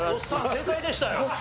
正解でしたよ。